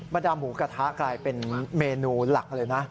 ดาหมูกระทะกลายเป็นเมนูหลักเลยนะ